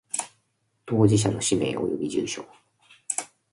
当事者の氏名及び住所